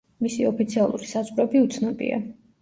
მისი ოფიციალური საზღვრები უცნობია.